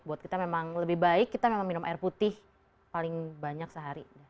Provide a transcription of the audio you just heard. buat kita memang lebih baik kita memang minum air putih paling banyak sehari